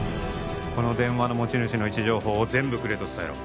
この電話の持ち主の位置情報を全部くれと伝えろ